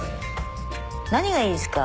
何がいいですか？